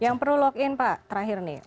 yang perlu login pak terakhir nih